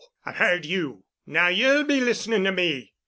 I've heard you. Now ye'll be listening to me.